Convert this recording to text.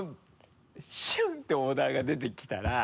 「シュンッ！」てオーダーが出てきたら。